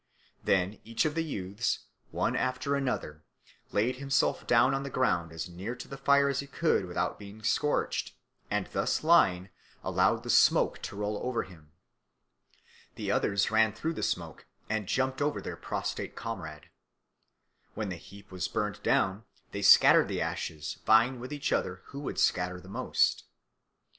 Then each of the youths, one after another, laid himself down on the ground as near to the fire as he could without being scorched, and thus lying allowed the smoke to roll over him. The others ran through the smoke and jumped over their prostrate comrade. When the heap was burned down, they scattered the ashes, vying with each other who should scatter them most.